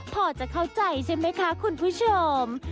พอจะเข้าใจใช่ไหมคะคุณผู้ชม